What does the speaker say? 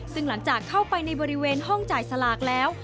ซึ่งหลังจากเข้าไปในบริเวณห้องจ่ายสลากแล้ว